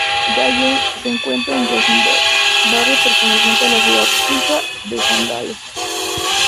Gallen se encuentra en Rosenberg, barrio perteneciente a la ciudad suiza de San Galo.